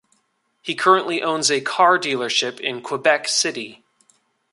He currently owns a car dealership in Quebec City.